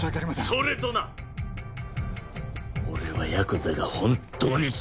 それとな俺はヤクザが本当に嫌いなんだよ！